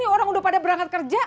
olong dulu udah berangkat kerja